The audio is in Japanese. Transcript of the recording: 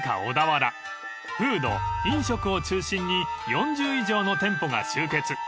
［フード飲食を中心に４０以上の店舗が集結］